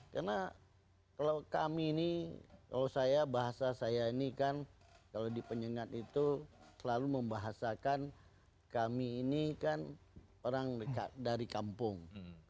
karena kalau kami ini bahasa saya ini kan kalau dipenyengat itu selalu membahasakan kami ini kan orang dari kampung